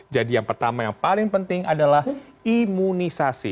jadi yang pertama yang paling penting adalah imunisasi